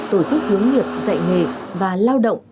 tổ chức hướng nghiệp dạy nghề và lao động